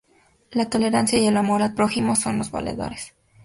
La tolerancia y el amor al prójimo son los valores principales claves.